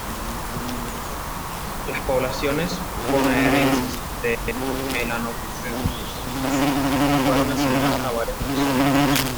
Las poblaciones bonaerenses de "Melanophryniscus" fueron asignadas a varios taxones.